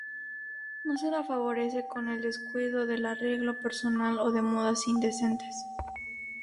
No se la favorece con el descuido del arreglo personal o de modas indecentes.